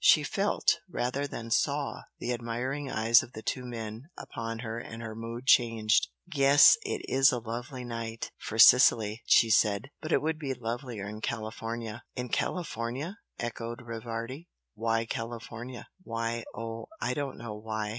She felt rather than saw the admiring eyes of the two men upon her and her mood changed. "Yes it is a lovely night, for Sicily," she said. "But it would be lovelier in California!" "In California!" echoed Rivardi "Why California?" "Why? Oh, I don't know why!